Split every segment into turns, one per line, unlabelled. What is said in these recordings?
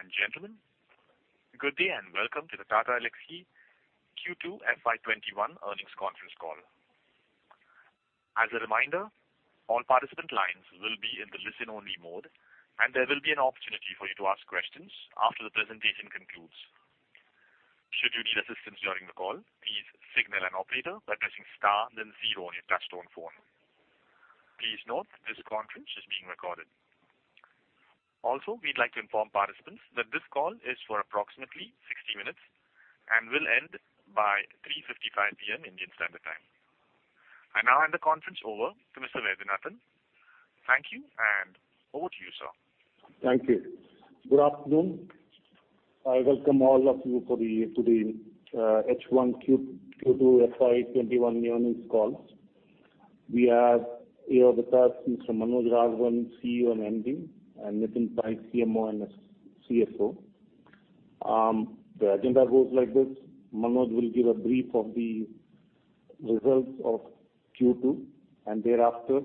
Ladies and gentlemen, good day and welcome to the Tata Elxsi Q2 FY 2021 earnings conference call. As a reminder, all participant lines will be in the listen-only mode, and there will be an opportunity for you to ask questions after the presentation concludes. Should you need assistance during the call, please signal an operator by pressing star then zero on your touch-tone phone. Please note this conference is being recorded. Also, we'd like to inform participants that this call is for approximately 60 minutes and will end by 3:55 P.M. Indian Standard Time. I now hand the conference over to Mr. Vaidyanathan. Thank you, and over to you, sir.
Thank you. Good afternoon. I welcome all of you to the H1 Q2 FY 2021 earnings call. We have here with us Mr. Manoj Raghavan, CEO and MD, and Nitin Pai, CMO and CSO. The agenda goes like this. Manoj will give a brief of the results of Q2, and thereafter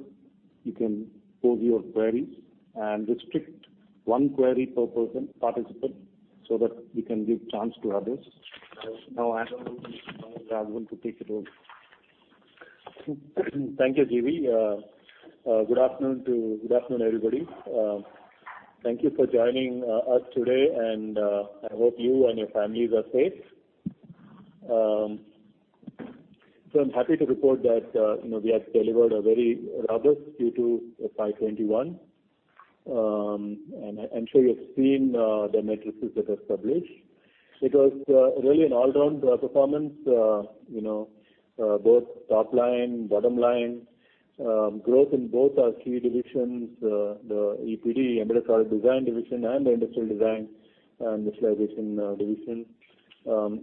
you can pose your queries and restrict one query per person participant so that we can give chance to others. Now I hand over to Manoj Raghavan to take it over.
Thank you, GV. Good afternoon, everybody. Thank you for joining us today. I hope you and your families are safe. I'm happy to report that we have delivered a very robust Q2 FY21. I'm sure you've seen the matrices that were published. It was really an all-round performance, both top line, bottom line, growth in both our key divisions, the EPD, Embedded Product Design division and the Industrial Design & Visualization division.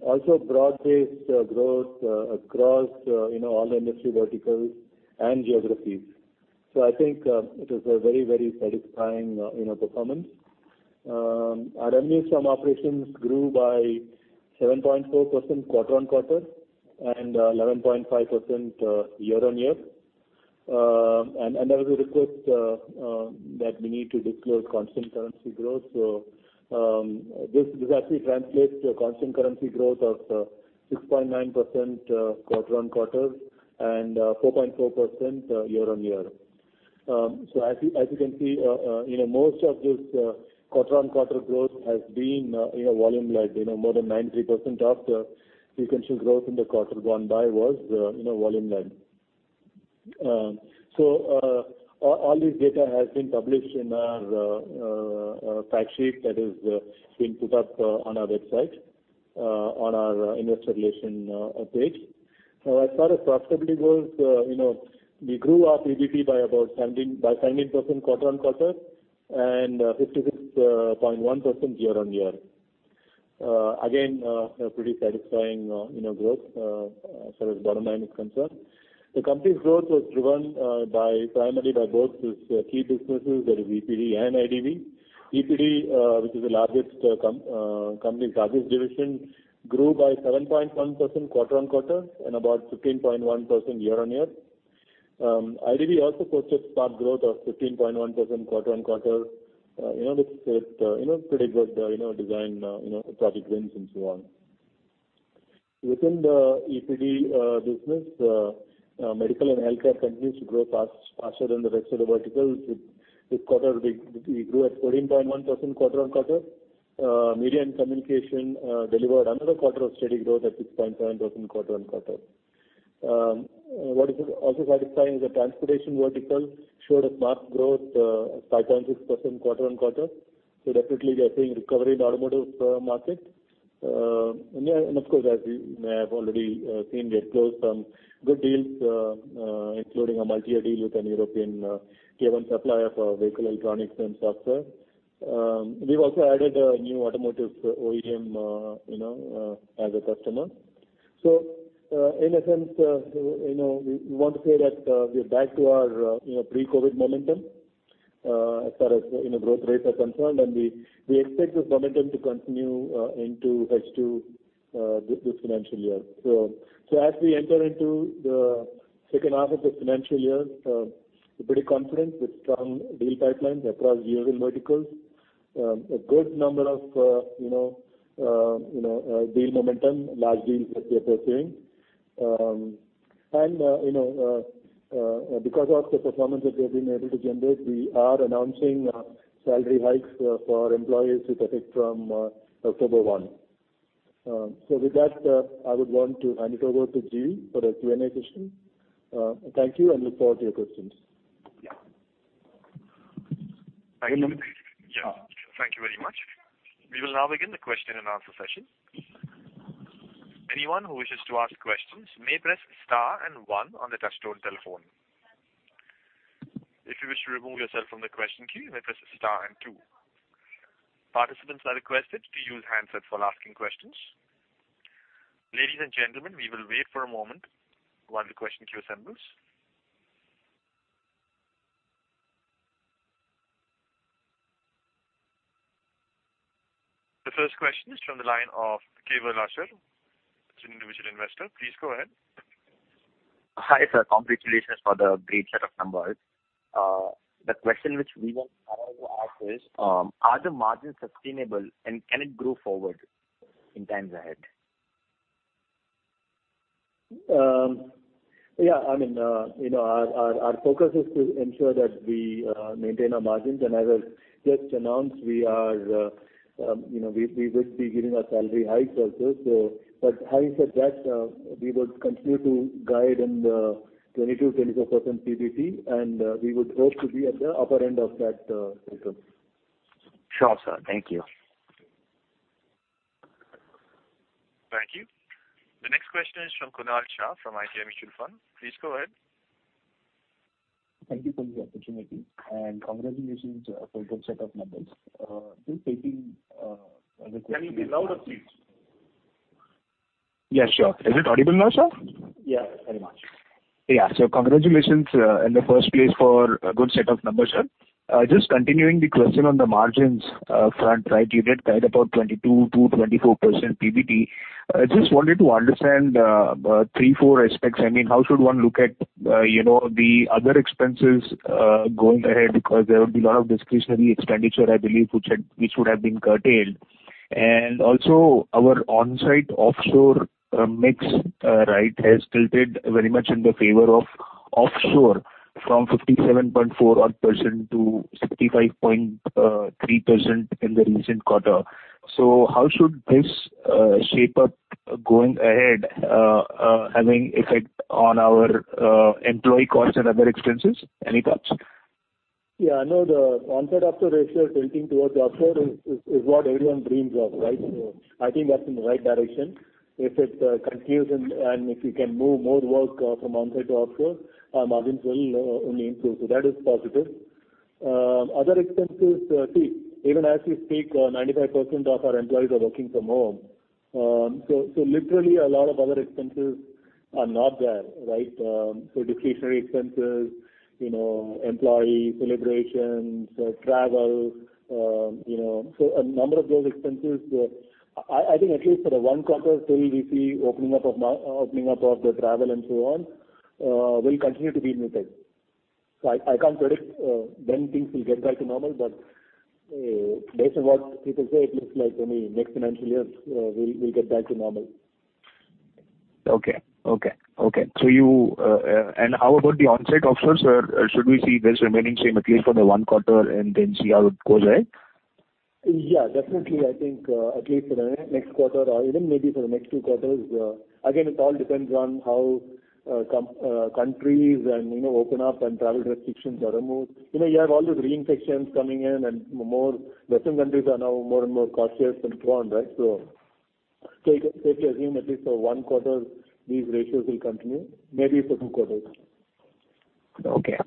Also broad-based growth across all industry verticals and geographies. I think it is a very satisfying performance. Our revenue from operations grew by 7.4% quarter on quarter and 11.5% year on year. There was a request that we need to declare constant currency growth. This actually translates to a constant currency growth of 6.9% quarter on quarter and 4.4% year on year. As you can see, most of this quarter-on-quarter growth has been volume-led. More than 93% of sequential growth in the quarter gone by was volume-led. All this data has been published in our fact sheet that has been put up on our website on our investor relation page. As far as profitability goes, we grew our PBT by 17% quarter-on-quarter and 56.1% year-on-year. Again, a pretty satisfying growth as far as bottom line is concerned. The company's growth was driven primarily by both its key businesses, that is EPD and IDV. EPD, which is the company's largest division, grew by 7.1% quarter-on-quarter and about 15.1% year-on-year. IDV also posted smart growth of 15.1% quarter-on-quarter. This is with pretty good design project wins and so on. Within the EPD business, medical and healthcare continues to grow faster than the rest of the verticals. This quarter we grew at 14.1% quarter-on-quarter. Media and communication delivered another quarter of steady growth at 6.7% quarter-on-quarter. What is also satisfying is the transportation vertical showed a smart growth of 5.6% quarter-on-quarter. Definitely we are seeing recovery in automotive market. Of course, as you may have already seen, we have closed some good deals, including a multi-year deal with an European Tier 1 supplier for vehicle electronics and software. We have also added a new automotive OEM as a customer. In a sense, we want to say that we are back to our pre-COVID momentum as far as growth rates are concerned and we expect this momentum to continue into H2 this financial year. As we enter into the second half of the financial year, we're pretty confident with strong deal pipelines across various verticals. A good number of deal momentum, large deals that we are pursuing. Because of the performance that we have been able to generate, we are announcing salary hikes for our employees with effect from October 1. With that, I would want to hand it over to GV for the Q&A session. Thank you and look forward to your questions.
Thank you.
Yeah.
Thank you very much. We will now begin the question-and-answer session. Anyone who wishes to ask a questions may press star and one on their touch-tone telephone. If you wish to remove yourself from the question queue, that is star and two. Participants are requested to use handsets while asking questions. Ladies and gentlemen, we will wait for a moment while the question queue assembles. The first question is from the line of Gabriel Asher. It's an individual investor. Please go ahead.
Hi, sir. Congratulations for the great set of numbers. The question which we want to ask is, are the margins sustainable, and can it grow forward in times ahead?
Yeah. Our focus is to ensure that we maintain our margins. As I just announced, we would be giving a salary hike also. Having said that, we would continue to guide in the 22%-24% PBT, and we would hope to be at the upper end of that spectrum.
Sure, sir. Thank you.
Thank you. The next question is from Kunal Shah, from IDBI Mutual Fund. Please go ahead.
Thank you for the opportunity, and congratulations for a good set of numbers.
Can you be louder, please?
Yeah, sure. Is it audible now, sir?
Yeah, very much.
Congratulations, in the first place, for a good set of numbers, sir. Just continuing the question on the margins front. You did guide about 22%-24% PBT. Just wanted to understand three, four aspects. How should one look at the other expenses going ahead? Because there will be a lot of discretionary expenditure, I believe, which would have been curtailed. Also, our onsite-offshore mix has tilted very much in the favor of offshore from 57.4%-65.3% in the recent quarter. How should this shape up going ahead, having effect on our employee costs and other expenses? Any thoughts?
Yeah, I know the onsite-offshore ratio tilting towards the offshore is what everyone dreams of, right? I think that's in the right direction. If it continues and if we can move more work from onsite to offshore, our margins will only improve. That is positive. Other expenses, see, even as we speak, 95% of our employees are working from home. Literally a lot of other expenses are not there. Discretionary expenses, employee celebrations, travel, a number of those expenses, I think at least for one quarter till we see opening up of the travel and so on, will continue to be muted. I can't predict when things will get back to normal, but based on what people say, it looks like only next financial year we'll get back to normal.
Okay. How about the onsite-offshore, sir? Should we see this remaining same at least for the one quarter and then see how it goes ahead?
Yeah, definitely, I think at least for the next quarter or even maybe for the next two quarters. Again, it all depends on how countries open up and travel restrictions are removed. You have all those reinfections coming in and western countries are now more and more cautious and so on. You can safely assume at least for one quarter these ratios will continue, maybe for two quarters.
Okay.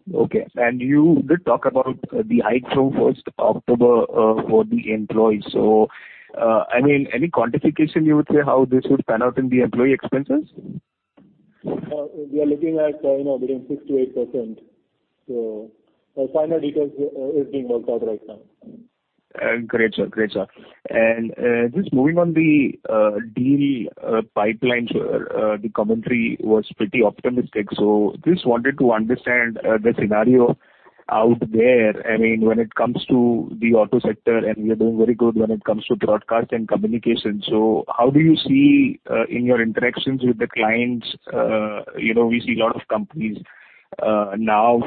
You did talk about the hike from October 1st for the employees. Any quantification you would say how this would pan out in the employee expenses?
We are looking at between 6%-8%. Final details are being worked out right now.
Great, sir. Just moving on the deal pipeline, the commentary was pretty optimistic. Just wanted to understand the scenario out there. When it comes to the auto sector, and we are doing very good when it comes to broadcast and communication. How do you see in your interactions with the clients? We see a lot of companies now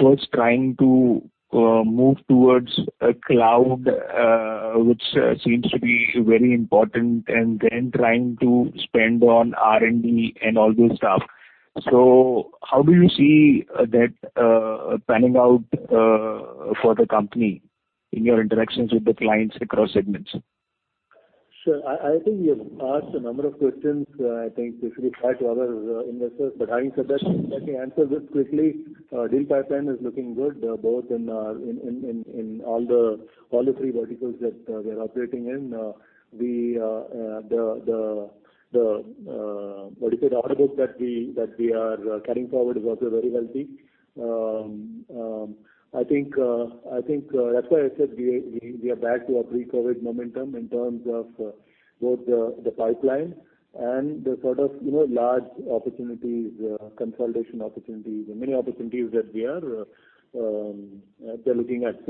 first trying to move towards a cloud, which seems to be very important, and then trying to spend on R&D and all this stuff. How do you see that panning out for the company in your interactions with the clients across segments?
Sir, I think you've asked a number of questions. I think we should be fair to other investors, having said that, let me answer this quickly. Deal pipeline is looking good, both in all the three verticals that we are operating in. The order book that we are carrying forward is also very healthy. I think that's why I said we are back to our pre-COVID momentum in terms of both the pipeline and the sort of large consolidation opportunities and many opportunities that they're looking at.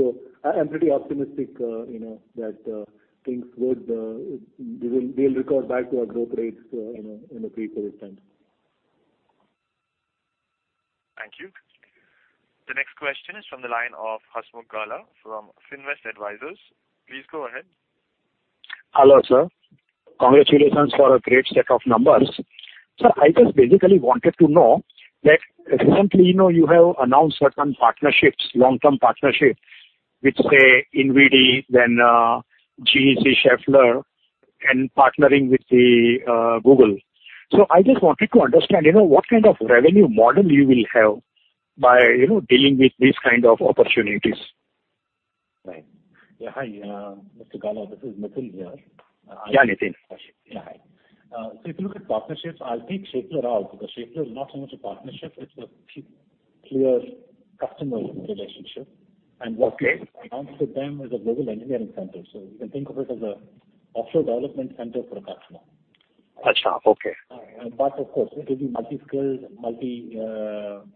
I'm pretty optimistic that we'll record back to our growth rates in the pre-COVID times.
Thank you. The next question is from the line of Hasmukh Gala from Finvest Advisors. Please go ahead.
Hello, sir. Congratulations for a great set of numbers. Sir, I just basically wanted to know that recently, you have announced certain long-term partnerships with, say, NVIDIA, then GEC Schaeffler, and partnering with Google. I just wanted to understand what kind of revenue model you will have by dealing with these kinds of opportunities.
Right. Yeah. Hi, Mr. Gala. This is Nitin here.
Yeah, Nitin.
Yeah, hi. If you look at partnerships, I'll take Schaeffler out because Schaeffler is not so much a partnership, it's a few. Clear customer relationship.
Okay.
What we announced with them is a global engineering center. You can think of it as an offshore development center for a customer.
Achha, okay.
Of course, it will be multi-skilled, multi areas,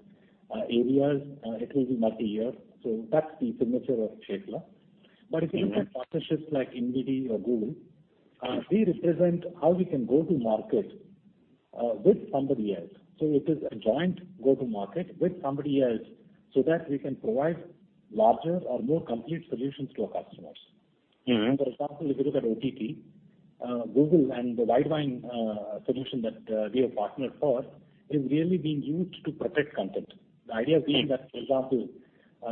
it will be multi-year. That's the signature of [Tech Mahindra]. If you look at partnerships like INVIDI or Google, we represent how we can go to market with somebody else. It is a joint go-to-market with somebody else so that we can provide larger or more complete solutions to our customers. For example, if you look at OTT, Google and the Widevine solution that we have partnered for, is really being used to protect content. The idea being that, for example,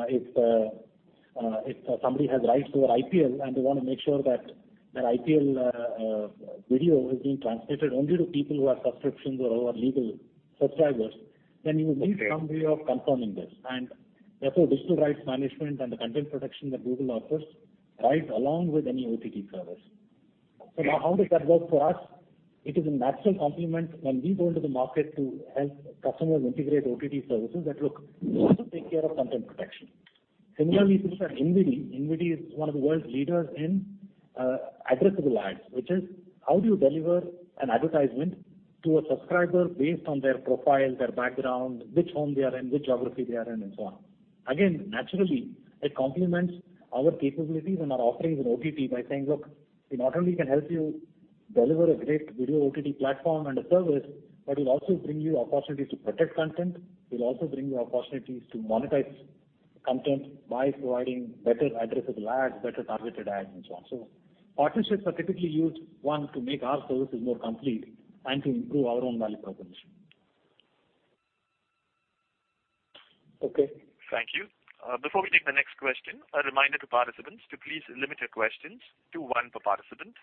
if somebody has rights over IPL and they want to make sure that their IPL video is being transmitted only to people who have subscriptions or who are legal subscribers, then you need some way of confirming this, and therefore digital rights management and the content protection that Google offers rides along with any OTT service. Now how does that work for us? It is a natural complement when we go into the market to help customers integrate OTT services that, look, we also take care of content protection. Similarly, if you look at INVIDI is one of the world's leaders in addressable ads, which is how do you deliver an advertisement to a subscriber based on their profile, their background, which home they are in, which geography they are in, and so on. Again, naturally, it complements our capabilities and our offerings in OTT by saying, "Look, we not only can help you deliver a great video OTT platform and a service, but we'll also bring you opportunities to protect content. We'll also bring you opportunities to monetize content by providing better addressable ads, better targeted ads, and so on." Partnerships are typically used, one, to make our services more complete and to improve our own value proposition.
Okay, thank you. Before we take the next question, a reminder to participants to please limit your questions to one per participant.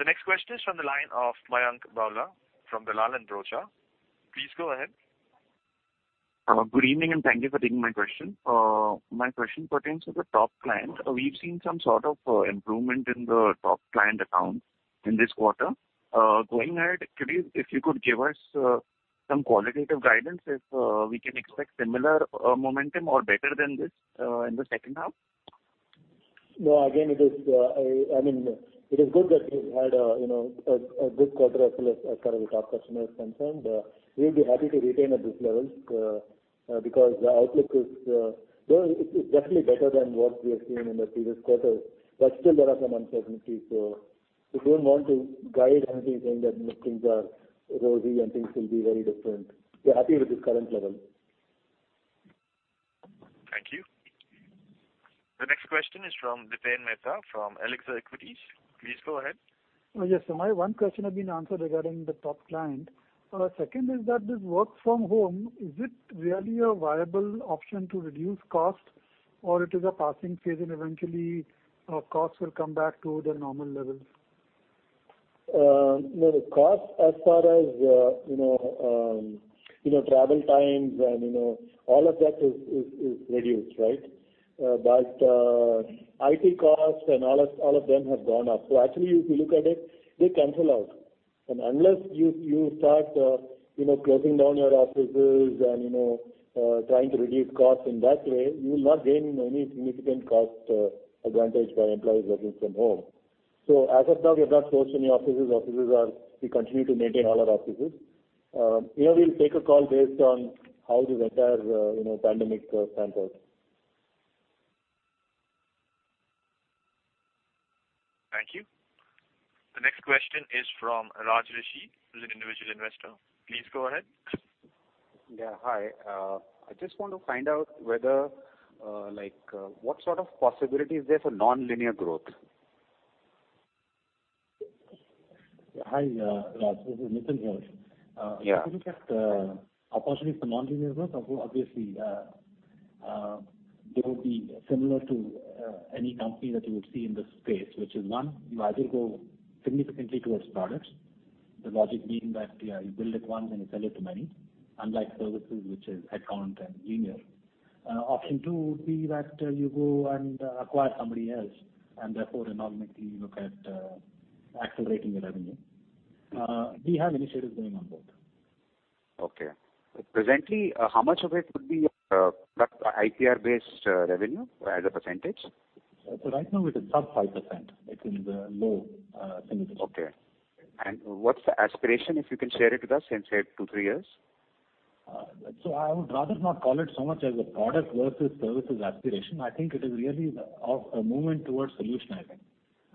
The next question is from the line of Mayank Babla from Dalal & Broacha. Please go ahead.
Good evening, thank you for taking my question. My question pertains to the top client. We've seen some sort of improvement in the top client accounts in this quarter. Going ahead, if you could give us some qualitative guidance if we can expect similar momentum or better than this in the second half?
Again, it is good that we've had a good quarter as far as the top customer is concerned. We'll be happy to retain at this level, because the outlook is definitely better than what we have seen in the previous quarters. Still there are some uncertainties, so we don't want to guide anything saying that things are rosy and things will be very different. We're happy with this current level.
Thank you. The next question is from Dipan Mehta from Elixir Equities. Please go ahead.
Yes. My one question has been answered regarding the top client. Second is that this work from home, is it really a viable option to reduce cost or it is a passing phase and eventually costs will come back to their normal levels?
The cost as far as travel times and all of that is reduced, right? IT costs and all of them have gone up. Actually, if you look at it, they cancel out. Unless you start closing down your offices and trying to reduce costs in that way, you will not gain any significant cost advantage by employees working from home. As of now, we have not closed any offices. We continue to maintain all our offices. We'll take a call based on how this entire pandemic pans out.
Thank you. The next question is from Raj Rishi, who is an individual investor. Please go ahead.
Yeah, hi. I just want to find out what sort of possibility is there for non-linear growth?
Hi, Raj. This is Nitin here.
Yeah.
If you look at opportunities for non-linear growth, obviously, they would be similar to any company that you would see in this space, which is, one, you either go significantly towards products. The logic being that you build it once and you sell it to many, unlike services, which is headcount and linear. Option two would be that you go and acquire somebody else, and therefore, inorganically look at accelerating the revenue. We have initiatives going on both.
Okay. Presently, how much of it would be IPR-based revenue as a percentage?
Right now it is sub 5%. It is low single digit.
Okay. What's the aspiration, if you can share it with us, in, say, two, three years?
I would rather not call it so much as a product versus services aspiration. I think it is really a movement towards solutionizing.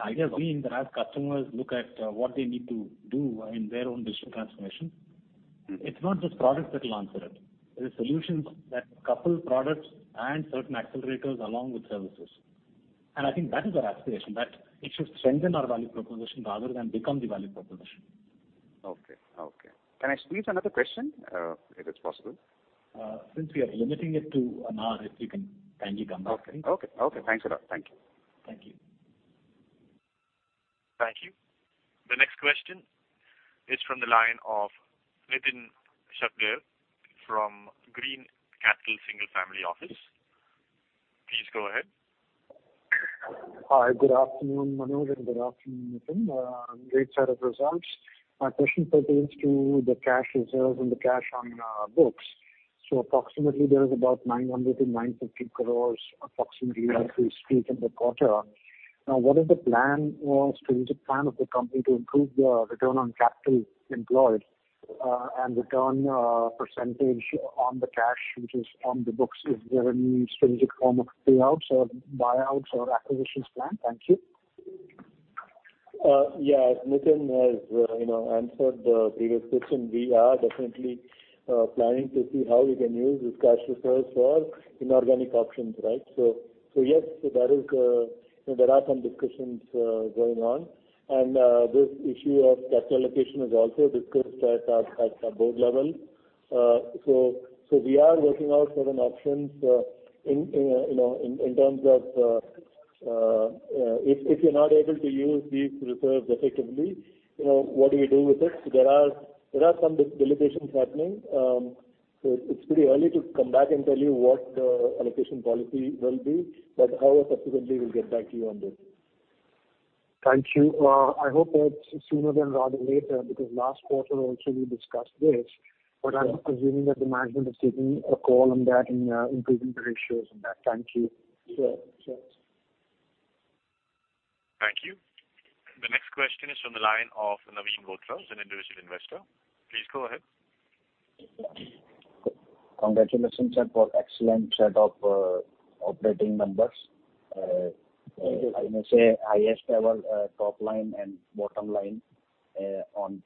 Idea being that as customers look at what they need to do in their own digital transformation, it's not just products that will answer it. There are solutions that couple products and certain accelerators along with services. I think that is our aspiration, that it should strengthen our value proposition rather than become the value proposition.
Okay. Can I squeeze another question if it's possible?
Since we are limiting it to an hour, if you can kindly come back.
Okay. Thanks a lot. Thank you.
Thank you.
Thank you. The next question is from the line of Nitin Shakdher from Green Capital Single Family Office. Please go ahead.
Hi, good afternoon, Manoj, and good afternoon, Nitin. Great set of results. My question pertains to the cash reserves and the cash on books. Approximately there is about 900 crores-950 crores approximately in the quarter. Now, what is the plan or strategic plan of the company to improve the return on capital employed, and return percentage on the cash which is on the books? Is there any strategic form of payouts or buyouts or acquisitions plan? Thank you.
As Nitin has answered the previous question, we are definitely planning to see how we can use this cash reserve for inorganic options. Yes, there are some discussions going on. This issue of capital allocation is also discussed at our board level. We are working out certain options in terms of if you're not able to use these reserves effectively, what do you do with it? There are some deliberations happening. It's pretty early to come back and tell you what the allocation policy will be, however, subsequently, we'll get back to you on this.
Thank you. I hope that sooner than rather later, because last quarter also we discussed this.
Yeah.
I'm assuming that the management has taken a call on that in improving the ratios on that. Thank you.
Sure.
Thank you. The next question is from the line of Naveen Bothra, who is an individual investor. Please go ahead.
Congratulations for excellent set of operating numbers.
Thank you.
I must say highest ever top line and bottom line on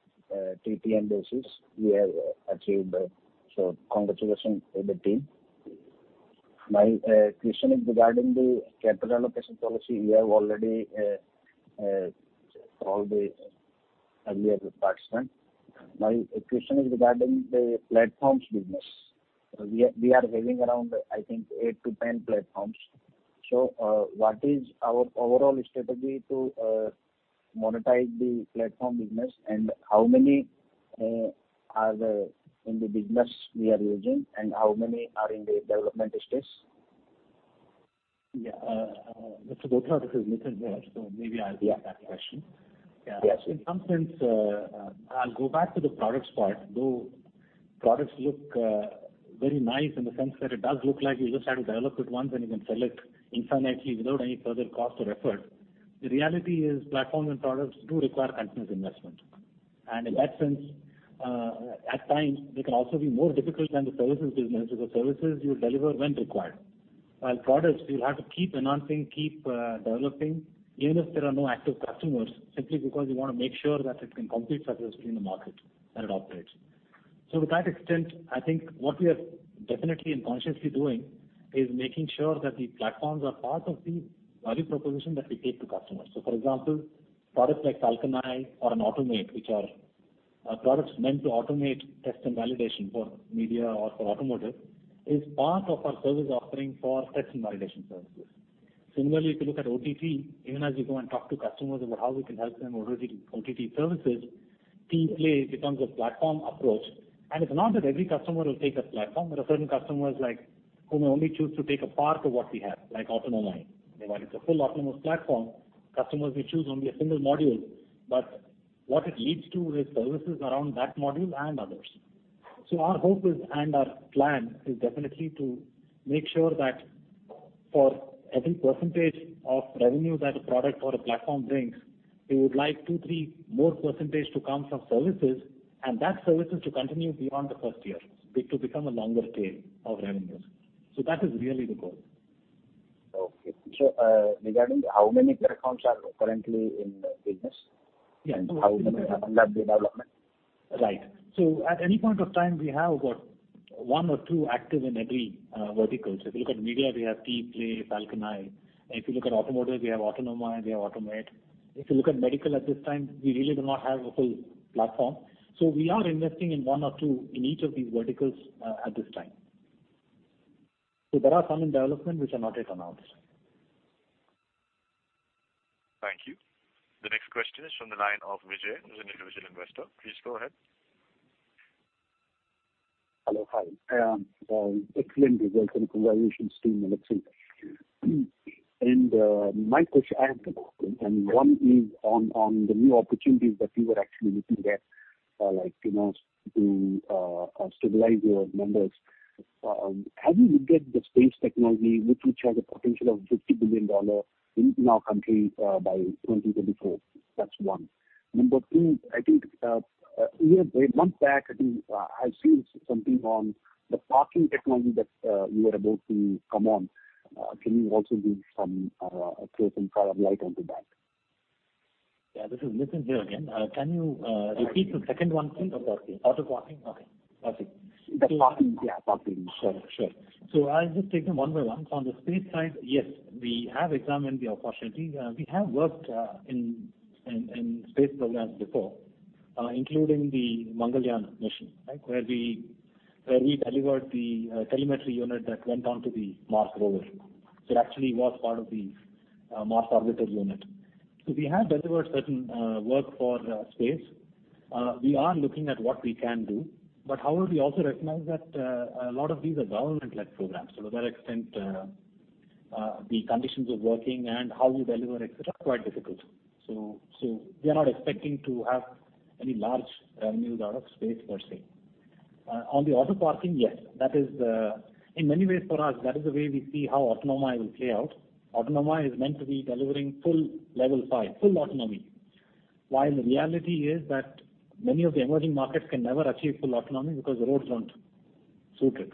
TTM basis we have achieved. Congratulations to the team. My question is regarding the capital allocation policy. You have already solved the earlier parts. My question is regarding the platforms business. We are having around, I think, eight-10 platforms. What is our overall strategy to monetize the platform business and how many are in the business we are using and how many are in the development stage?
Yeah. Mr. Bothra, this is Nitin here. Maybe I'll take that question.
Yes.
In some sense, I'll go back to the products part, though products look very nice in the sense that it does look like you just had to develop it once and you can sell it infinitely without any further cost or effort. The reality is platforms and products do require continuous investment. In that sense, at times they can also be more difficult than the services business. With the services you deliver when required. While products you'll have to keep enhancing, keep developing even if there are no active customers, simply because you want to make sure that it can compete successfully in the market that it operates. To that extent, I think what we are definitely and consciously doing is making sure that these platforms are part of the value proposition that we take to customers. For example, products like FalconEye or an Automate, which are products meant to automate test and validation for media or for automotive, is part of our service offering for test and validation services. Similarly, if you look at OTT, even as we go and talk to customers about how we can help them with OTT services, TEPlay becomes a platform approach. It's not that every customer will take a platform. There are certain customers who may only choose to take a part of what we have, like AutonomAI. Meanwhile, it's a full autonomous platform. Customers may choose only a single module, but what it leads to is services around that module and others. Our hope is, and our plan is definitely to make sure that for every percentage of revenue that a product or a platform brings, we would like 2, 3 more percentage to come from services and that services to continue beyond the first year. It will become a longer tail of revenues. That is really the goal.
Okay. Regarding how many platforms are currently in business?
Yeah.
How many are under development?
Right. At any point of time, we have about one or two active in every vertical. If you look at media, we have TEPlay, FalconEye. If you look at automotive, we have AutonomAI, we have Automate. If you look at medical at this time, we really do not have a full platform. We are investing in one or two in each of these verticals, at this time. There are some in development which are not yet announced.
Thank you. The next question is from the line of Vijay, who's an individual investor. Please go ahead.
Hello. Hi. Excellent results from [evaluation stream, and et cetera]. My question, I have two. One is on the new opportunities that you were actually looking at, like, to stabilize your numbers. How do you get the space technology, which will have the potential of INR 50 billion in our country by 2024? That's one. Number two, I think, a month back, I think, I've seen something on the parking technology that you were about to come on. Can you also give some progress and throw some light onto that?
Yeah, this is Nitin here again. Can you repeat the second one please?
Auto parking.
Auto parking. Okay. Perfect.
The parking.
Yeah, parking. Sure. I'll just take them one by one. On the space side, yes, we have examined the opportunity. We have worked in space programs before, including the Mangalyaan mission. Where we delivered the telemetry unit that went on to the Mars Orbiter. It actually was part of the Mars Orbiter unit. We have delivered certain work for space. We are looking at what we can do, but however, we also recognize that a lot of these are government-led programs. To that extent, the conditions of working and how we deliver, et cetera, are quite difficult. We are not expecting to have any large revenues out of space, per se. On the auto parking, yes. In many ways, for us, that is the way we see how AutonomAI will play out. AutonomAI is meant to be delivering full level five, full autonomy, while the reality is that many of the emerging markets can never achieve full autonomy because the roads aren't suited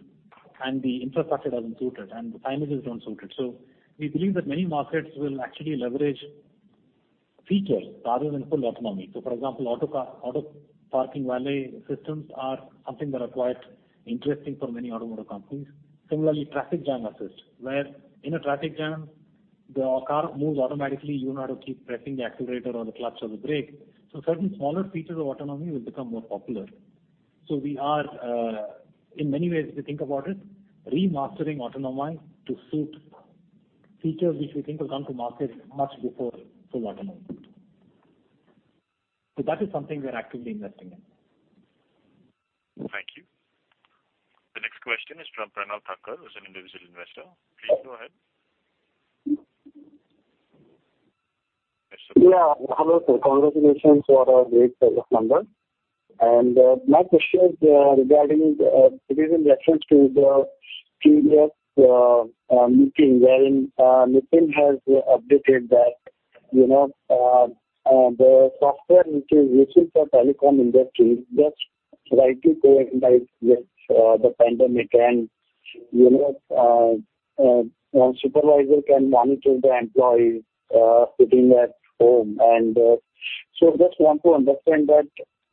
and the infrastructure doesn't suit it, and the finances don't suit it. We believe that many markets will actually leverage features rather than full autonomy. For example, auto parking valet systems are something that are quite interesting for many automotive companies. Similarly, traffic jam assist, where in a traffic jam, the car moves automatically. You don't have to keep pressing the accelerator or the clutch or the brake. Certain smaller features of autonomy will become more popular. We are, in many ways if you think about it, remastering AutonomAI to suit features which we think will come to market much before full autonomy. That is something we are actively investing in.
Thank you. The next question is from Pranal Thakker, who is an individual investor. Please go ahead.
Yeah. Hello, sir. Congratulations for a great set of numbers. My question is regarding the previous reference to the previous meeting, wherein Nitin has updated that the software which is used for telecom industry, that's rightly coincided with the pandemic, and one supervisor can monitor the employees sitting at home. Just want to understand that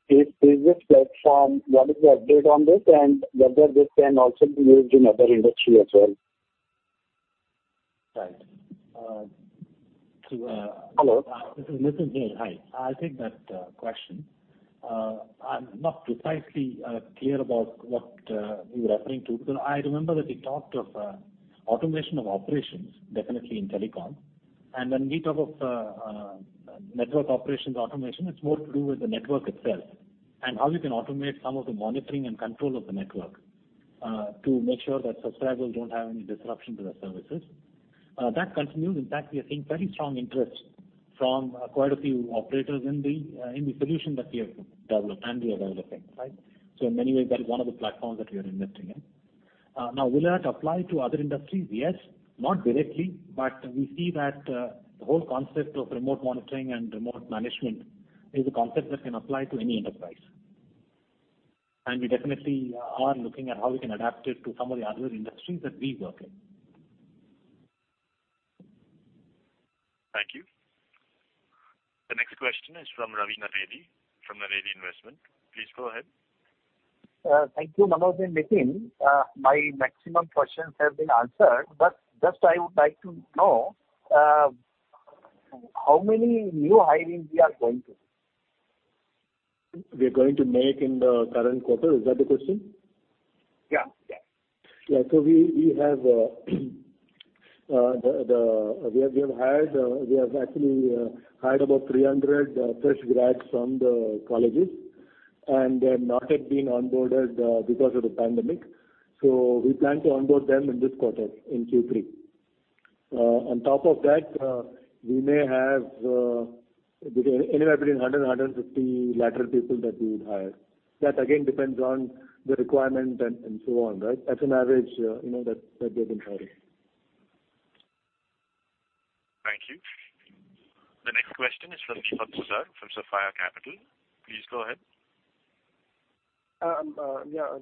this previous platform, what is the update on this, and whether this can also be used in other industry as well?
Right.
Hello.
This is Nitin here. Hi. I'll take that question. I'm not precisely clear about what you're referring to, because I remember that we talked of automation of operations, definitely in telecom. When we talk of network operations automation, it's more to do with the network itself and how you can automate some of the monitoring and control of the network to make sure that subscribers don't have any disruption to their services. That continues. In fact, we are seeing very strong interest from quite a few operators in the solution that we have developed and we are developing. In many ways, that is one of the platforms that we are investing in. Will that apply to other industries? Yes. Not directly, but we see that the whole concept of remote monitoring and remote management is a concept that can apply to any enterprise. We definitely are looking at how we can adapt it to some of the other industries that we work in.
Thank you. The next question is from Ravi Navedi from Naredi Investment. Please go ahead.
Thank you, Manoj and Nitin. My maximum questions have been answered, but just I would like to know how many new hiring we are going to do?
We are going to make in the current quarter, is that the question?
Yeah.
We have actually hired about 300 fresh grads from the colleges, and they have not yet been onboarded because of the pandemic. We plan to onboard them in this quarter, in Q3. On top of that, we may have anywhere between 100 and 150 lateral people that we would hire. That again depends on the requirement and so on. As an average, that's what we've been hiring.
Thank you. The next question is from Deepak Poddar from Sapphire Capital. Please go ahead.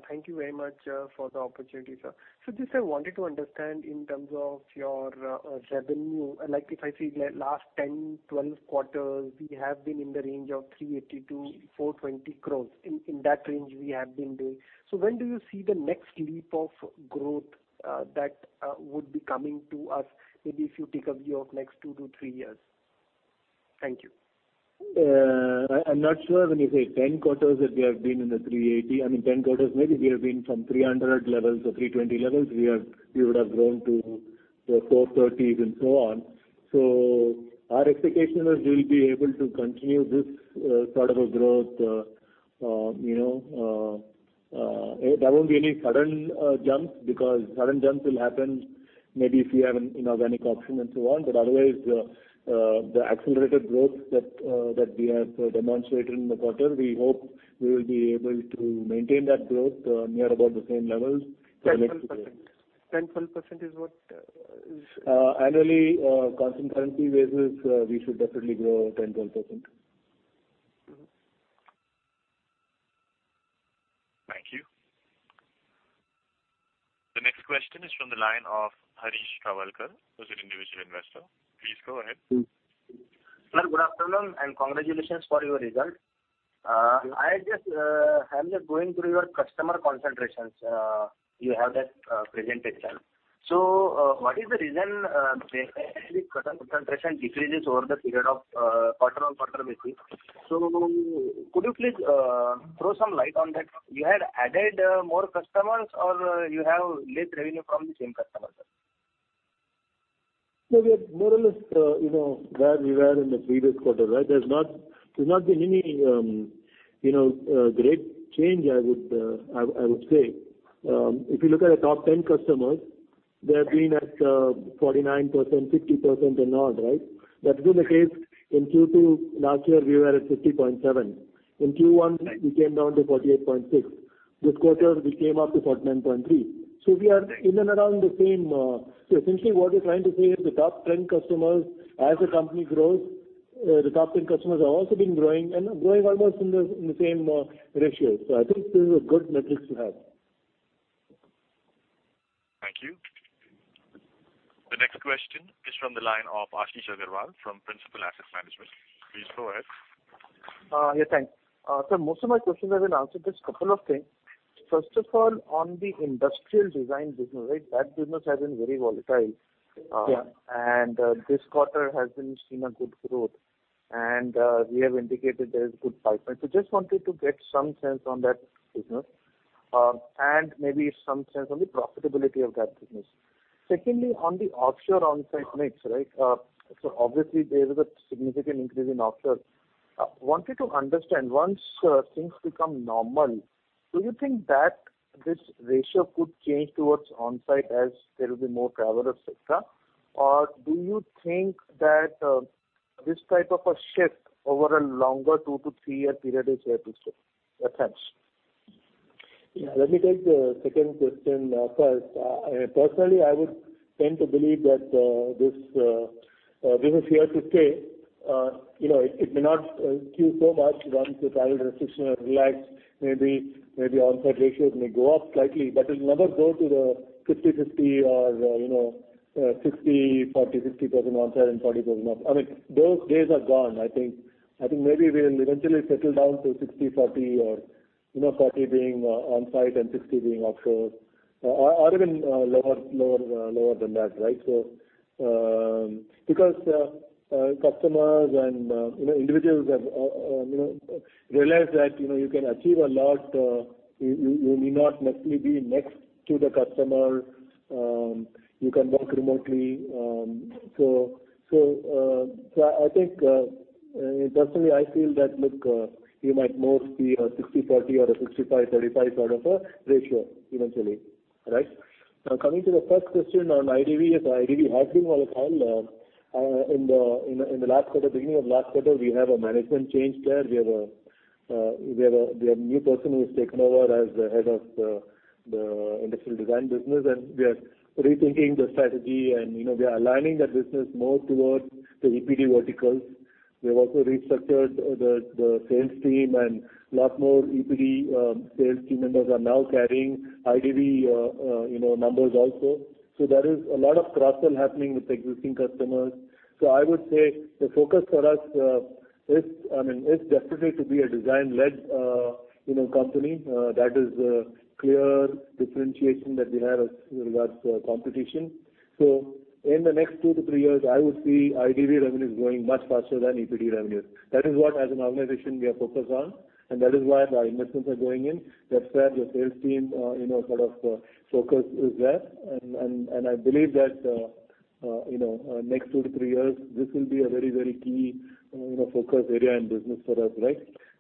Thank you very much for the opportunity, sir. Just I wanted to understand in terms of your revenue, like if I see last 10 quarters-12 quarters, we have been in the range of 380 crore-420 crore. In that range we have been doing. When do you see the next leap of growth that would be coming to us, maybe if you take a view of next two to three years? Thank you.
I'm not sure when you say 10 quarters that we have been in the 380. I mean, 10 quarters, maybe we have been from 300 levels or 320 levels, we would have grown to the 430s and so on. Our expectation is we'll be able to continue this sort of a growth. There won't be any sudden jumps, because sudden jumps will happen maybe if we have an inorganic option and so on. Otherwise, the accelerated growth that we have demonstrated in the quarter, we hope we will be able to maintain that growth near about the same levels for next few years.
10%, 12% is what is?
Annually, constant currency basis, we should definitely grow 10%, 12%.
Thank you. The next question is from the line of Harish Kawalkar, who's an individual investor. Please go ahead.
Sir, good afternoon, and congratulations for your results. I'm just going through your customer concentrations. You have that presentation. What is the reason basically customer concentration decreases over the period of quarter on quarter basis? Could you please throw some light on that? You had added more customers or you have less revenue from the same customers?
We are more or less where we were in the previous quarter, right? There's not been any great change, I would say. If you look at the top 10 customers, they're being at 49%, 50% and odd, right? That's been the case in Q2. Last year we were at 50.7. In Q1, we came down to 48.6. This quarter, we came up to 49.3. We are in and around the same. Essentially what we're trying to say is the top 10 customers, as the company grows, the top 10 customers have also been growing and growing almost in the same ratio. I think this is a good metric to have.
Thank you. The next question is from the line of Ashish Agarwal from Principal Asset Management. Please go ahead.
Yeah, thanks. Sir, most of my questions have been answered. Just a couple of things. First of all, on the industrial design business, that business has been very volatile.
Yeah.
This quarter has been seeing a good growth. We have indicated there is good pipeline. Just wanted to get some sense on that business, and maybe some sense on the profitability of that business. Secondly, on the offshore onsite mix. Obviously there is a significant increase in offshore. Wanted to understand, once things become normal, do you think that this ratio could change towards onsite as there will be more travel et cetera? Do you think that this type of a shift over a longer two to three-year period is here to stay? Thanks.
Let me take the second question first. Personally, I would tend to believe that this business is here to stay. It may not skew so much once the travel restriction has relaxed. Maybe onsite ratios may go up slightly, but it'll never go to the 50/50 or 60% onsite and 40% off. Those days are gone, I think. I think maybe we'll eventually settle down to 60%-40% or 40% being onsite and 60% being offshore, or even lower than that. Customers and individuals have realized that you can achieve a lot, you need not necessarily be next to the customer. You can work remotely. Personally I feel that, look, you might more see a 60%-40% or a 65%-35% sort of a ratio eventually. Right? Coming to the first question on ID&V. Yes, ID&V has been volatile. In the beginning of last quarter, we have a management change there. We have a new person who has taken over as the head of the Industrial Design business. We are rethinking the strategy and we are aligning that business more towards the EPD verticals. We have also restructured the sales team. Lot more EPD sales team members are now carrying ID&V numbers also. There is a lot of cross-sell happening with existing customers. I would say the focus for us is definitely to be a design-led company. That is a clear differentiation that we have with regards to our competition. In the next two to three years, I would see ID&V revenues growing much faster than EPD revenues. That is what as an organization we are focused on. That is where our investments are going in. That's where the sales team focus is there. I believe that next two to three years, this will be a very key focus area and business for us.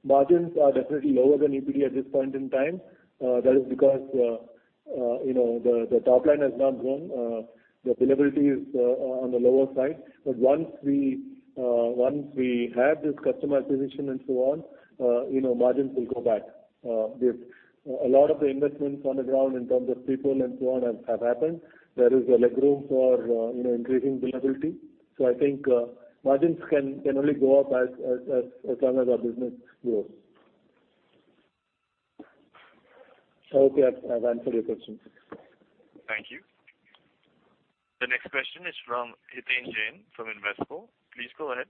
Margins are definitely lower than EPD at this point in time. That is because the top line has not grown. The billability is on the lower side. Once we have this customer acquisition and so on, margins will go back. A lot of the investments on the ground in terms of people and so on have happened. There is a leg room for increasing billability. I think margins can only go up as long as our business grows. I hope I've answered your questions.
Thank you. The next question is from Hiten Jain from Invesco. Please go ahead.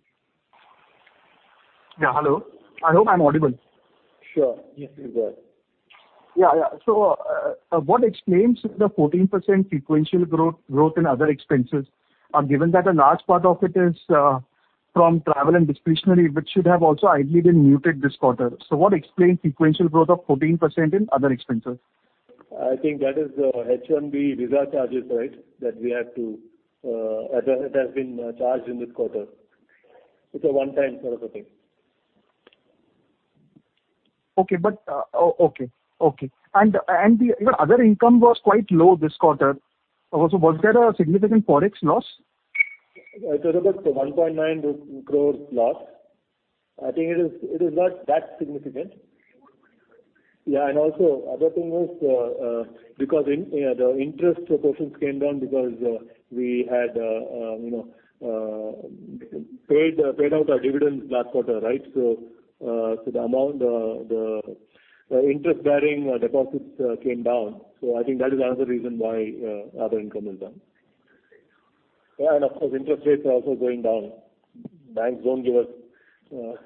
Yeah, hello. I hope I'm audible.
Sure. Yes, you're good.
Yeah. What explains the 14% sequential growth in other expenses? Given that a large part of it is from travel and discretionary, which should have also ideally been muted this quarter. What explains sequential growth of 14% in other expenses?
I think that is the H1B visa charges that we have to address. It has been charged in this quarter. It's a one-time sort of a thing.
Okay. The other income was quite low this quarter. Was there a significant Forex loss?
It's about 1.9 crore loss. I think it is not that significant. Also other thing is, because the interest proportions came down because we had paid out our dividends last quarter. The amount, the interest-bearing deposits came down. I think that is another reason why other income is down. Of course, interest rates are also going down. Banks don't give us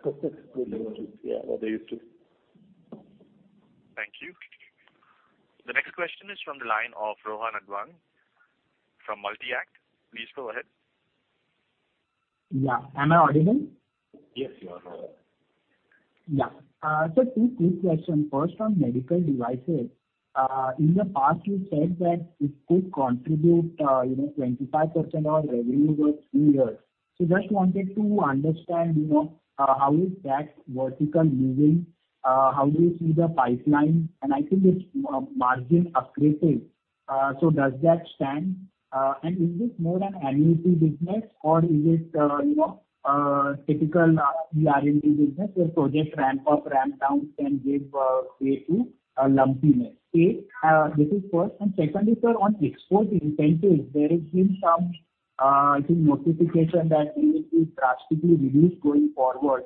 good interest what they used to.
Thank you. The next question is from the line of Rohan Advani from Multi-Act. Please go ahead.
Yeah. Am I audible?
Yes, you are audible.
Yeah. Sir, two quick questions. First, on medical devices. In the past, you said that it could contribute 25% of revenue over three years. Just wanted to understand, how is that vertical moving? How do you see the pipeline? I think it's margin accretive, so does that stand? Is this more an annuity business or is it a typical ER&D business where project ramp up, ramp down can give way to lumpiness? This is first. Secondly, sir, on export incentives, there has been some, I think, notification that it will drastically reduce going forward.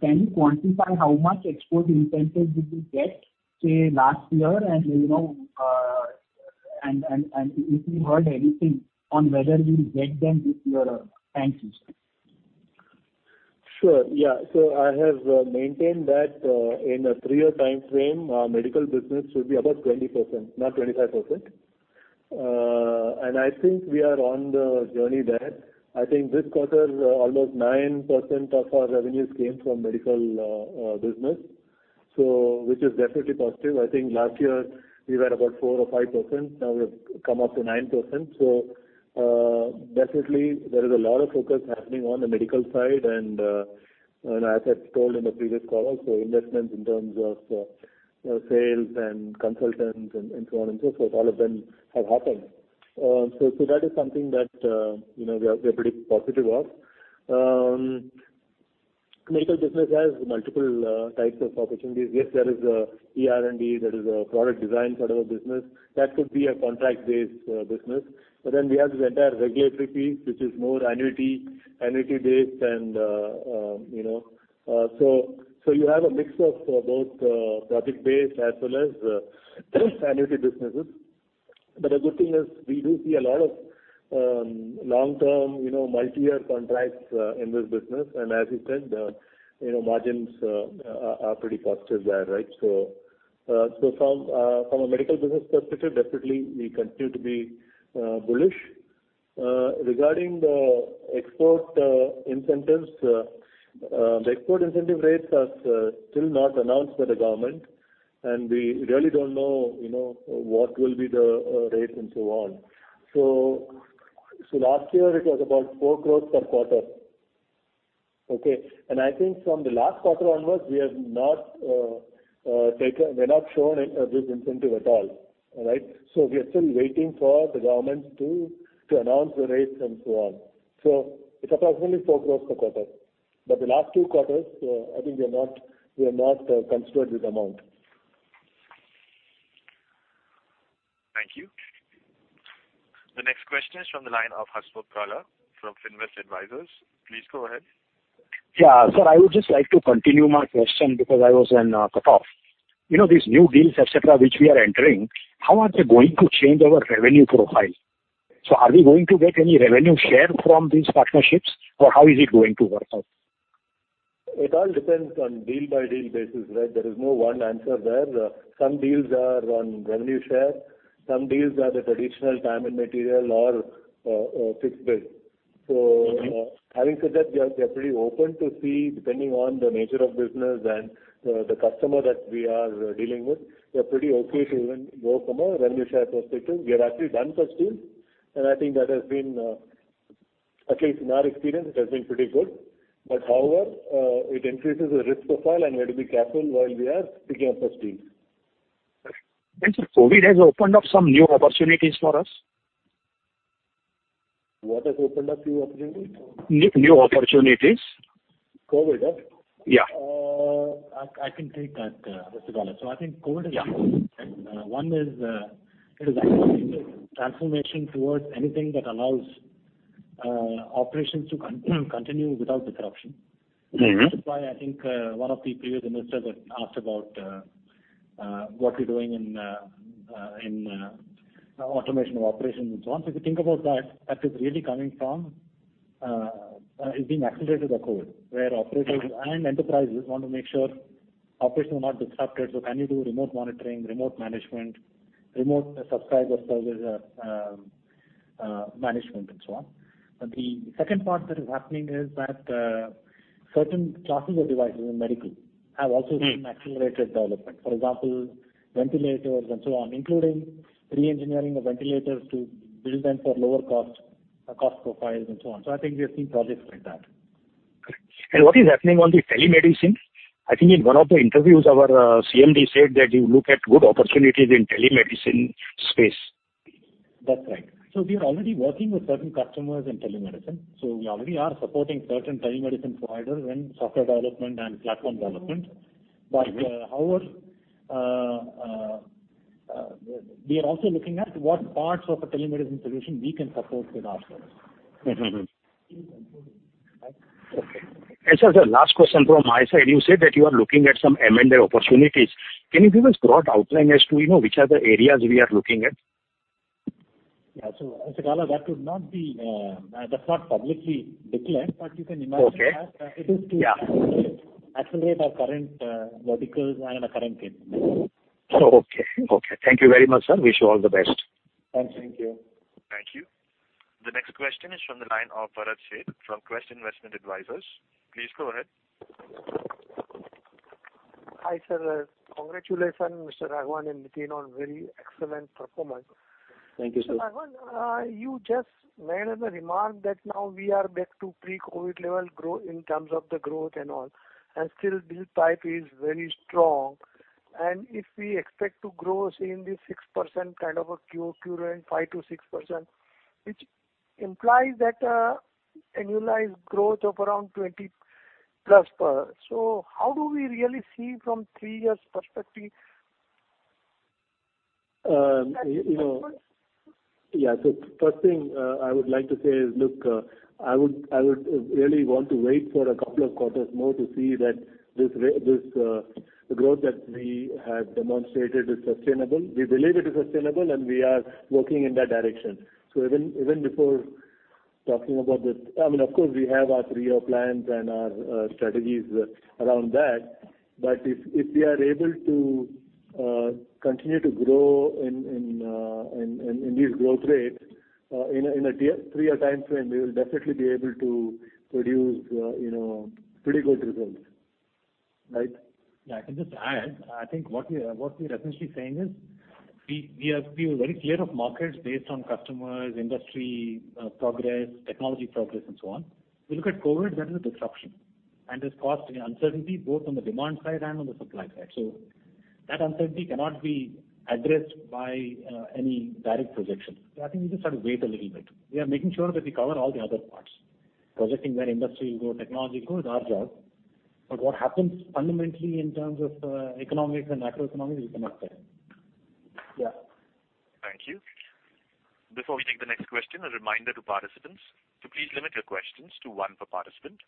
Can you quantify how much export incentive did you get, say, last year and if you heard anything on whether you will get them this year? Thank you, sir.
Sure. Yeah. I have maintained that in a three-year timeframe, our medical business should be about 20%, not 25%. I think we are on the journey there. I think this quarter, almost 9% of our revenues came from medical business, which is definitely positive. I think last year we were about 4% or 5%. Now we've come up to 9%. Definitely there is a lot of focus happening on the medical side. As I told in the previous call also, investments in terms of sales and consultants and so on and so forth, all of them have happened. That is something that we are pretty positive of. Medical business has multiple types of opportunities. Yes, there is ER&D, there is a product design sort of a business that could be a contract-based business. We have this entire regulatory piece, which is more annuity-based. You have a mix of both project-based as well as annuity businesses. The good thing is we do see a lot of long-term, multi-year contracts in this business. As you said, margins are pretty positive there. From a medical business perspective, definitely we continue to be bullish. Regarding the export incentives. The export incentive rates are still not announced by the government, and we really don't know what will be the rate and so on. Last year it was about 4 crore per quarter. Okay. I think from the last quarter onwards, we have not shown this incentive at all. We are still waiting for the government to announce the rates and so on. It is approximately 4 crore per quarter. The last two quarters, I think we have not considered this amount.
Thank you. The next question is from the line of Hasmukh Gala from Finvest Advisors. Please go ahead.
Yeah. Sir, I would just like to continue my question because I was cut off. These new deals, et cetera, which we are entering, how are they going to change our revenue profile? Are we going to get any revenue share from these partnerships or how is it going to work out?
It all depends on deal by deal basis. There is no one answer there. Some deals are on revenue share, some deals are the traditional time and material or fixed bid.
Okay.
Having said that, we are pretty open to see, depending on the nature of business and the customer that we are dealing with. We are pretty okay to even go from a revenue share perspective. We have actually done such deals, and I think that has been, at least in our experience, it has been pretty good. However, it increases the risk profile and we have to be careful while we are picking up such deals.
Sir, COVID has opened up some new opportunities for us?
What has opened up new opportunities?
New opportunities.
COVID, huh?
Yeah.
I can take that, Mr. Gala. I think COVID has two things.
Yeah.
One is it has accelerated transformation towards anything that allows operations to continue without disruption. That is why I think one of the previous investors had asked about what you're doing in automation of operations and so on. If you think about that is really coming from is being accelerated by COVID, where operators and enterprises want to make sure operations are not disrupted. Can you do remote monitoring, remote management, remote subscriber service management, and so on. The second part that is happening is that certain classes of devices in medical have also seen accelerated development. For example, ventilators and so on, including re-engineering of ventilators to build them for lower cost profiles and so on. I think we have seen projects like that.
Great. What is happening on the telemedicine? I think in one of the interviews, our CMD said that you look at good opportunities in telemedicine space.
That's right. We are already working with certain customers in telemedicine. We already are supporting certain telemedicine providers in software development and platform development. However, we are also looking at what parts of a telemedicine solution we can support with our service.
Okay. Sir, the last question from my side. You said that you are looking at some M&A opportunities. Can you give us broad outline as to which are the areas we are looking at?
Yeah. That's not publicly declared, but you can imagine.
Okay.
It is to accelerate our current verticals and our current game.
Okay. Thank you very much, sir. Wish you all the best.
Thanks. Thank you.
Thank you. The next question is from the line of Bharat Sheth from Quest Investment Advisors. Please go ahead.
Hi, sir. Congratulations, Mr. Raghavan and Nitin, on very excellent performance.
Thank you, sir.
Mr. Raghavan, you just made a remark that now we are back to pre-COVID level growth in terms of the growth and all, and still deal pipe is very strong. If we expect to grow, say, in the 6% kind of a Q2 run, 5%-6%, which implies that annualized growth of around 20%+. How do we really see from three years perspective?
First thing I would like to say is, I would really want to wait for a couple of quarters more to see that this growth that we have demonstrated is sustainable. We believe it is sustainable, and we are working in that direction. Even before talking about this, of course, we have our three-year plans and our strategies around that. If we are able to continue to grow in these growth rates in a three-year timeframe, we will definitely be able to produce pretty good results. Nitin.
Yeah, I can just add, I think what we're essentially saying is we feel very clear of markets based on customers, industry progress, technology progress, and so on. We look at COVID, that is a disruption, and it's caused uncertainty both on the demand side and on the supply side. That uncertainty cannot be addressed by any direct projection. I think we just have to wait a little bit. We are making sure that we cover all the other parts. Projecting where industry will go, technology will go is our job. What happens fundamentally in terms of economics and macroeconomics, we cannot say.
Yeah.
Thank you. Before we take the next question, a reminder to participants to please limit your questions to one per participant.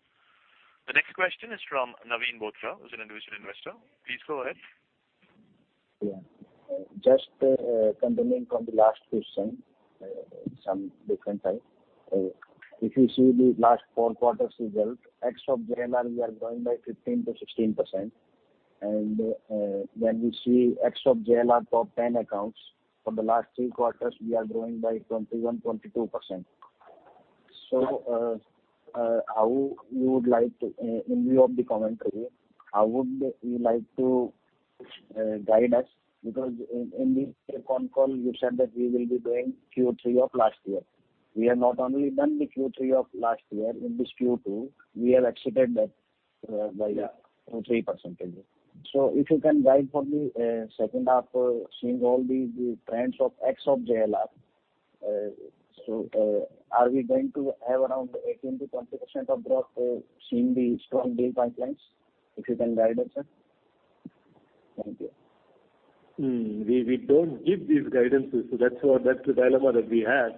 The next question is from Naveen Bothra, who's an individual investor. Please go ahead.
Yeah. Just continuing from the last question, some different type. If you see the last four quarters result, ex of JLR, we are growing by 15%-16%. When we see ex of JLR top 10 accounts for the last three quarters, we are growing by 21%, 22%. In view of the commentary, how would you like to guide us? Because in the Q con call, you said that we will be doing Q3 of last year. We have not only done the Q3 of last year. In this Q2, we have exceeded that by-
Yeah.
3%. If you can guide for the second half, seeing all the trends of ex of JLR. Are we going to have around 18%-20% of growth, seeing the strong deal pipelines? If you can guide us, sir. Thank you.
We don't give these guidances. That's the dilemma that we have.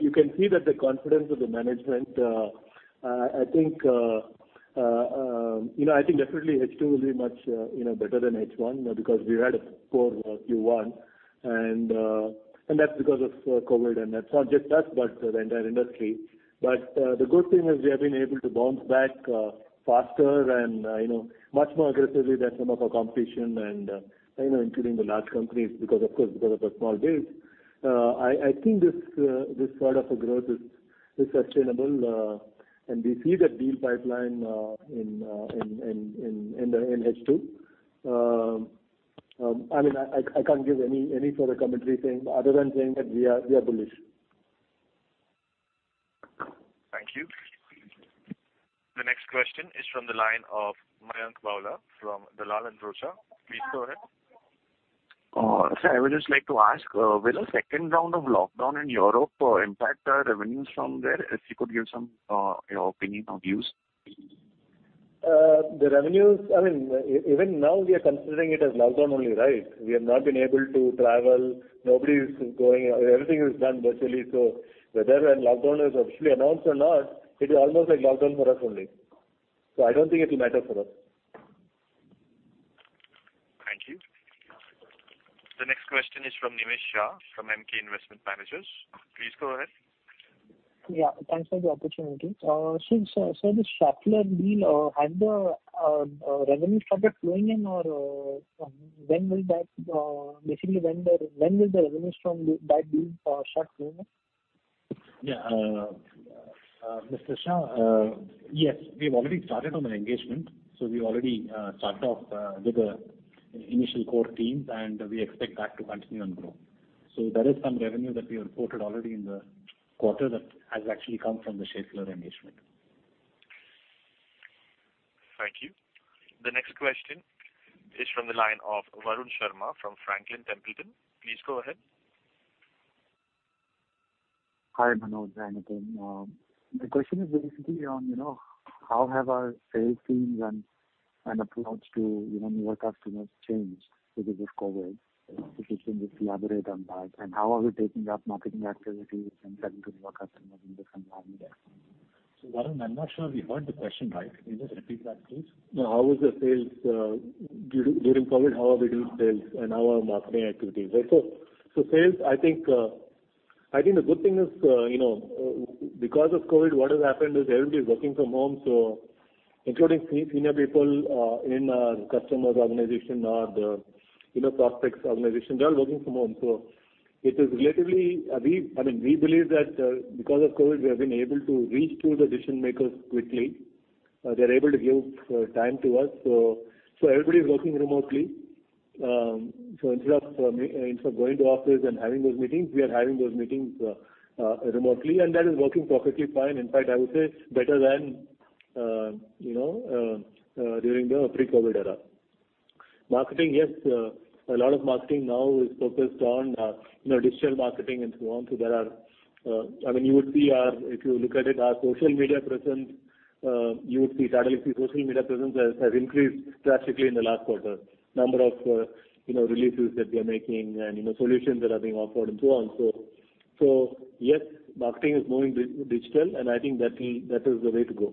You can see that the confidence of the management. I think definitely H2 will be much better than H1 because we had a poor Q1, and that's because of COVID, and that's not just us, but the entire industry. The good thing is we have been able to bounce back faster and much more aggressively than some of our competition including the large companies, of course, because of our small base. I think this sort of a growth is sustainable, and we see that deal pipeline in H2. I can't give any further commentary other than saying that we are bullish.
Thank you. The next question is from the line of Mayank Babla from Dalal & Broacha. Please go ahead.
Sir, I would just like to ask, will a second round of lockdown in Europe impact our revenues from there? If you could give your opinion or views, please.
The revenues, even now we are considering it as lockdown only. We have not been able to travel. Nobody's going. Everything is done virtually. Whether a lockdown is officially announced or not, it is almost like lockdown for us only. I don't think it will matter for us.
Thank you. The next question is from Nimish Shah from Emkay Investment Managers. Please go ahead.
Yeah. Thanks for the opportunity. This Schaeffler deal, has the revenue started flowing in or basically when will the revenue from that deal start flowing in?
Mr. Shah, yes, we've already started on an engagement, so we already start off with the initial core teams, and we expect that to continue and grow. There is some revenue that we have reported already in the quarter that has actually come from the Schaeffler engagement.
Thank you. The next question is from the line of Varun Sharma from Franklin Templeton. Please go ahead.
Hi, Manoj. Hi, Nitin. My question is basically on how have our sales teams and approach to newer customers changed because of COVID? If you can just elaborate on that. How are we taking up marketing activities and selling to newer customers in this environment?
Varun, I'm not sure we heard the question right. Can you just repeat that, please?
How was the sales during COVID, how are we doing sales, and how are marketing activities?
Sales, I think the good thing is, because of COVID, what has happened is everybody's working from home, including senior people in our customer's organization or the prospects' organization. They're all working from home. We believe that because of COVID, we have been able to reach to the decision-makers quickly. They're able to give time to us. Everybody's working remotely. Instead of going to office and having those meetings, we are having those meetings remotely, and that is working perfectly fine. In fact, I would say better than during the pre-COVID era. Marketing, yes, a lot of marketing now is focused on digital marketing and so on. If you look at it, our social media presence, you would see Tata Elxsi social media presence has increased drastically in the last quarter. Number of releases that we are making and solutions that are being offered and so on. Yes, marketing is moving digital, and I think that is the way to go.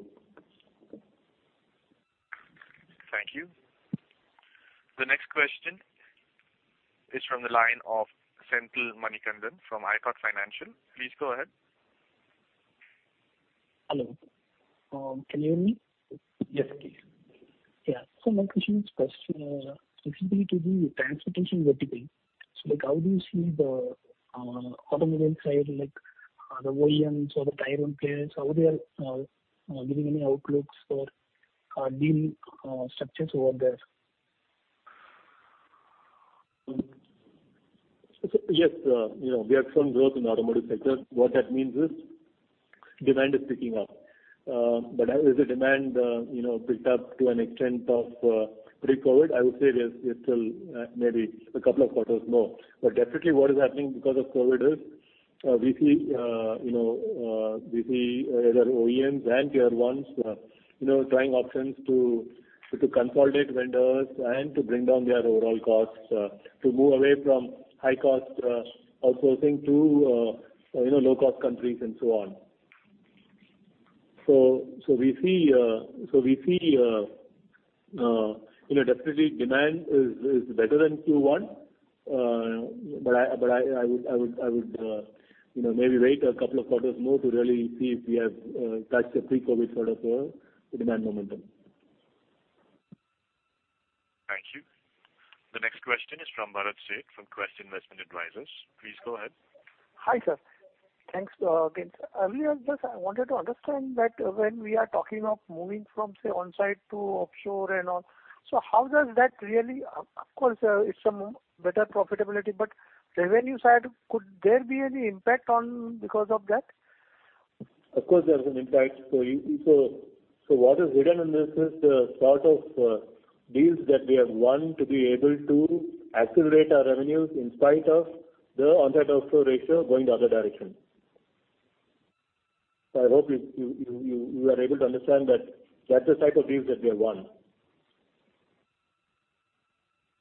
Thank you. The next question is from the line of Senthil Manikandan from ithought Financial. Please go ahead.
Hello. Can you hear me?
Yes, please.
Yeah. My question is specifically to the transportation vertical. How do you see the automobile side, the OEMs or the tier one players, how they are giving any outlooks or deal structures over there?
Yes. We have seen growth in the automotive sector. What that means is demand is picking up. Has the demand picked up to an extent of pre-COVID? I would say it is still maybe a couple of quarters more. Definitely what is happening because of COVID is, we see either OEMs and tier ones trying options to consolidate vendors and to bring down their overall costs, to move away from high-cost outsourcing to low-cost countries and so on. We see definitely demand is better than Q1. I would maybe wait a couple of quarters more to really see if we have touched the pre-COVID sort of demand momentum.
Thank you. The next question is from Bharat Sheth from Quest Investment Advisors. Please go ahead.
Hi, sir. Thanks again, sir. Earlier, I wanted to understand that when we are talking of moving from, say, on-site to offshore and all, Of course, it's some better profitability, but revenue side, could there be any impact because of that?
Of course, there is an impact. What is hidden in this is the sort of deals that we have won to be able to accelerate our revenues in spite of the on-site offshore ratio going the other direction. I hope you are able to understand that that's the type of deals that we have won.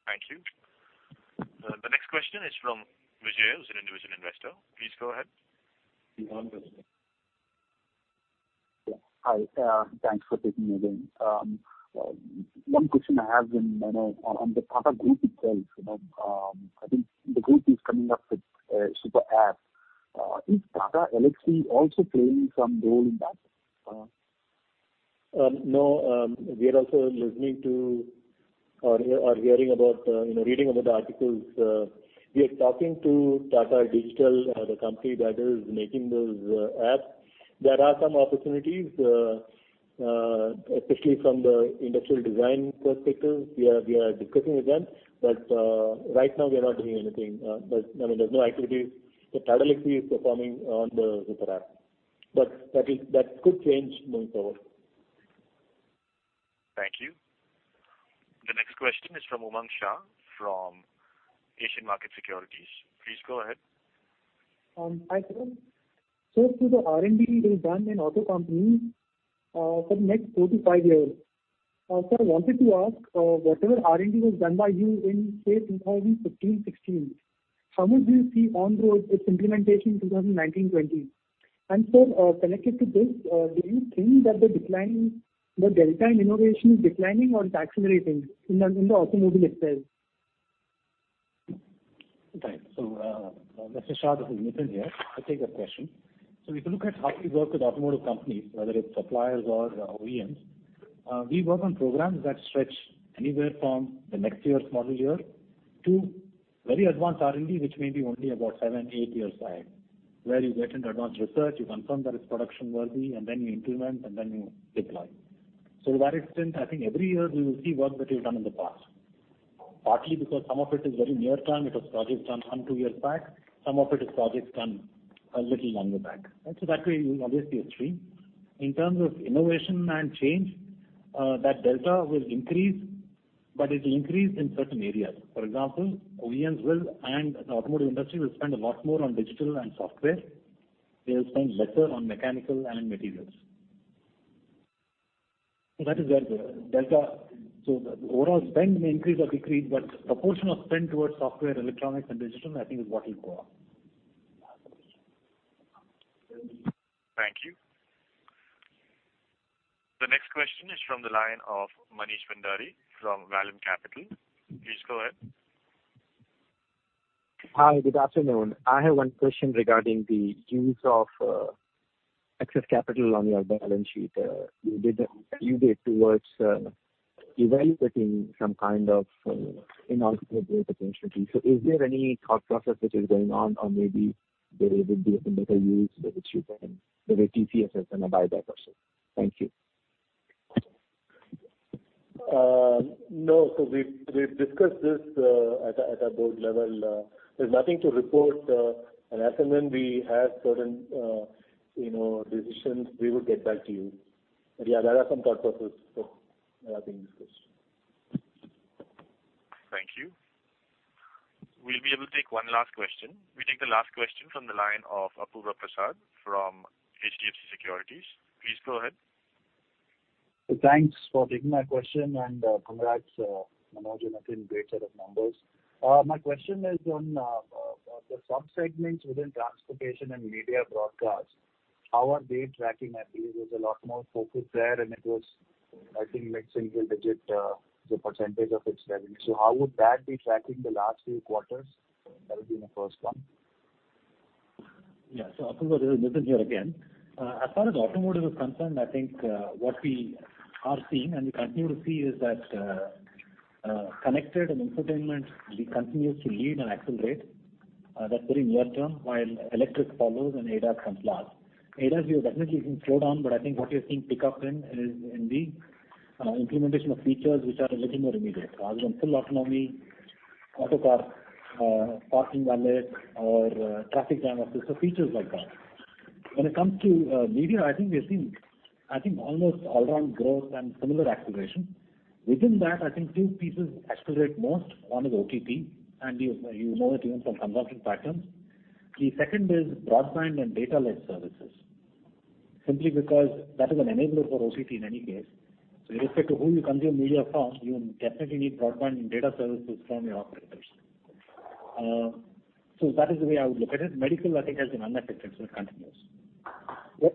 Thank you. The next question is from Vijay, who is an individual investor. Please go ahead.
Hi, thanks for taking again. One question I have on the Tata Group itself. I think the group is coming up with Super App. Is Tata Elxsi also playing some role in that?
No, we are also listening to or reading about the articles. We are talking to Tata Digital, the company that is making those apps. There are some opportunities, especially from the industrial design perspective. We are discussing with them. Right now, we are not doing anything. There's no activity that Tata Elxsi is performing on the Super App. That could change moving forward.
Thank you. The next question is from Umang Shah from Asian Markets Securities. Please go ahead.
Hi, sir. For the R&D is done in auto companies for the next four to five years. Sir, I wanted to ask, whatever R&D was done by you in, say, 2015, 2016, how much do you see on-road its implementation in 2019, 2020? Sir, connected to this, do you think that the delta in innovation is declining or it's accelerating in the automobile itself?
Right. Mr. Shah, this is Nitin here. I'll take your question. If you look at how we work with automotive companies, whether it's suppliers or OEMs, we work on programs that stretch anywhere from the next year's model year to very advanced R&D, which may be only about seven, eight years back, where you get into advanced research, you confirm that it's production worthy, and then you implement, and then you deploy. To that extent, I think every year we will see work that we've done in the past. Partly because some of it is very near term, it was projects done one, two years back. Some of it is projects done a little longer back. That way, you will always see a stream. In terms of innovation and change, that delta will increase, but it'll increase in certain areas. For example, OEMs will, and the automotive industry will spend a lot more on digital and software. They'll spend lesser on mechanical and materials. The overall spend may increase or decrease, but proportion of spend towards software, electronics, and digital, I think, is what will go up.
Thank you. The next question is from the line of Manish Bhandari from Vallum Capital. Please go ahead.
Hi, good afternoon. I have one question regarding the use of excess capital on your balance sheet. You did towards evaluating some kind of inorganic growth potentially. Is there any thought process which is going on or maybe there would be a better use with which you can do the TCS and a buyback also? Thank you.
No, we've discussed this at a board level. There's nothing to report, as and when we have certain decisions, we will get back to you. Yeah, there are some thought processes for, I think, this question.
Thank you. We'll be able to take one last question. We take the last question from the line of Apurva Prasad from HDFC Securities. Please go ahead.
Thanks for taking my question, and congrats, Manoj and Nitin, great set of numbers. My question is on the sub-segments within transportation and media broadcast. How are they tracking? I believe there's a lot more focus there, and it was, I think, mid-single digit as a percentage of its revenue. How would that be tracking the last few quarters? That would be my first one.
Apurva, this is Nitin here again. As far as automotive is concerned, I think what we are seeing, and we continue to see, is that connected and infotainment continues to lead and accelerate. That's very near term, while electric follows and ADAS comes last. ADAS, we have definitely seen slowdown, I think what we are seeing pick up in is in the implementation of features which are a little more immediate, rather than full autonomy, auto park, parking valet or traffic jam assist. Features like that. When it comes to media, I think we're seeing almost all around growth and similar acceleration. Within that, I think two pieces accelerate most. One is OTT, you know it even from consumption patterns. The second is broadband and data-led services, simply because that is an enabler for OTT in any case. Irrespective of who you consume media from, you definitely need broadband and data services from your operators. That is the way I would look at it. Medical, I think, has been unaffected, so it continues.
Yep.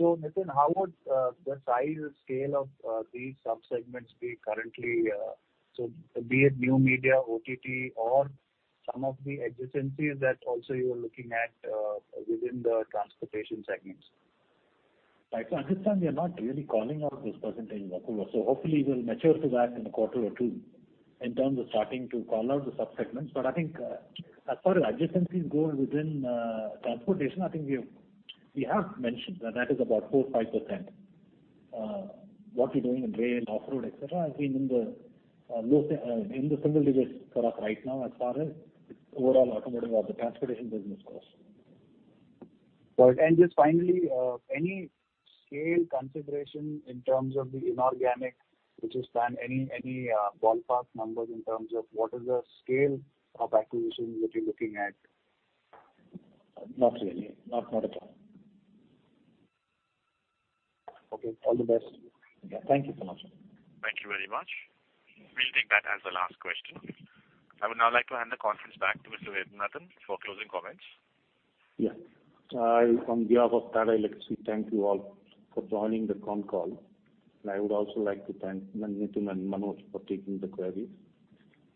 Nitin, how would the size scale of these sub-segments be currently? Be it new media, OTT, or some of the adjacencies that also you are looking at within the transportation segments.
I understand we are not really calling out this percentage, Apurva. Hopefully we will mature to that in a quarter or two in terms of starting to call out the sub-segments. I think as far as adjacencies go within transportation, I think we have mentioned that is about 4%-5%. What we're doing in rail, off-road, et cetera, has been in the single digits for us right now as far as overall automotive or the transportation business goes.
Got it. Just finally, any scale consideration in terms of the inorganic, which is planned, any ballpark numbers in terms of what is the scale of acquisitions that you're looking at?
Not really. Not at all.
Okay, all the best.
Yeah. Thank you so much.
Thank you very much. We'll take that as the last question. I would now like to hand the conference back to Mr. Vaidyanathan for closing comments.
Yeah. On behalf of Tata Elxsi, thank you all for joining the con call, and I would also like to thank Nitin and Manoj for taking the queries.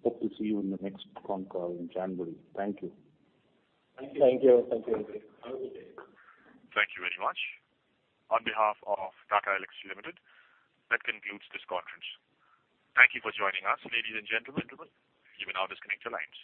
Hope to see you in the next con call in January. Thank you.
Thank you.
Thank you. Have a good day.
Thank you very much. On behalf of Tata Elxsi Limited, that concludes this conference. Thank you for joining us, ladies and gentlemen. You may now disconnect your lines.